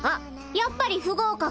やっぱり不合格。